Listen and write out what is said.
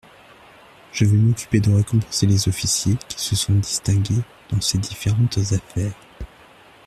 Je vais m'occuper de récompenser les officiers qui se sont distingués dans ces différentes affaires.